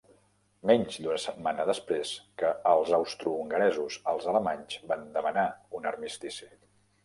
Menys d'una setmana després que els austrohongaresos, els alemanys van demanar un armistici.